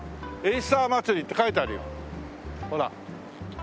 「エイサーまつり」って書いてあるよほら。